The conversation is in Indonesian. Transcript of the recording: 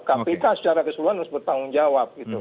kpk secara keseluruhan harus bertanggung jawab